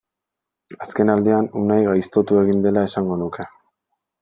Azkenaldian Unai gaiztotu egin dela esango nuke.